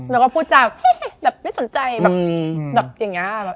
แล้วก็พูดจากแบบไม่สนใจแบบอย่างนี้